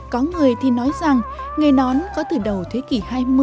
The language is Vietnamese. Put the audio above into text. có người thì nói rằng nghề nón có từ đầu thế kỷ hai mươi